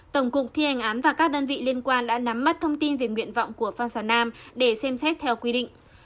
tổng cục thi hành án và các đơn vị liên quan đã nắm mắt thông tin về nguyện vọng của phan xào nam để xem xét theo quy định